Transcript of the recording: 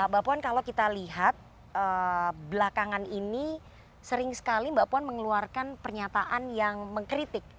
mbak puan kalau kita lihat belakangan ini sering sekali mbak puan mengeluarkan pernyataan yang mengkritik